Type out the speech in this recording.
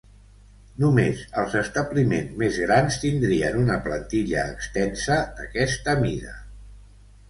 Només els establiments més grans tindrien una plantilla extensa d'aquesta mida.